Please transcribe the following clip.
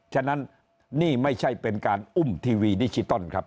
ฉะนั้นนี่ไม่ใช่เป็นการอุ้มทีวีดิจิตอลครับ